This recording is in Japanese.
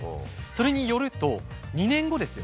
それによると２年後ですよ